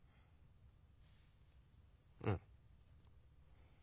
うん。